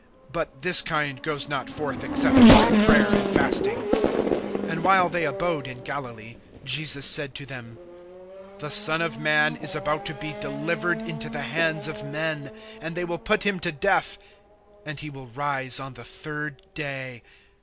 (21)But this kind goes not forth, except by prayer and fasting. (22)And while they abode in Galilee, Jesus said to them: The Son of man is about to be delivered into the hands of men (23)and they will put him to death, and he will rise on the third day.